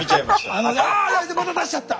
ああまた出しちゃった！